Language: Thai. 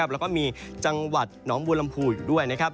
แล้วก็มีจังหวัดน้องบูรรมภูอยู่ด้วย